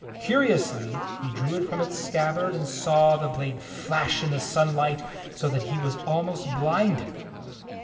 Curiously he drew it from its scabbard, and saw the blade flash in the sunlight so that he was almost blinded.